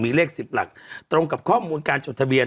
มีเลข๑๐หลักตรงกับข้อมูลการจดทะเบียน